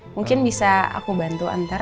mungkin bisa aku bantu antar